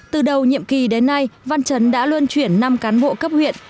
từ đầu nhiệm kỳ đến nay văn trấn đã luân chuyển năm cán bộ cấp huyện